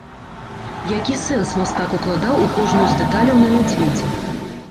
Які сэнс мастак укладаў у кожную з дэталяў на мядзведзі?